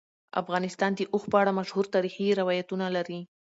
افغانستان د اوښ په اړه مشهور تاریخی روایتونه لري.